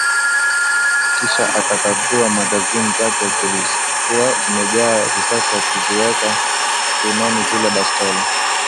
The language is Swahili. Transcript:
Kisha akakagua magazine zake zilikuwa zimejaa risasi akaziweka kiunoni zile bastola